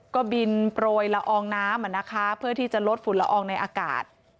ก็บินโปรยละอองน้ำเพื่อที่จะลดฝุ่นละอองในอากาศ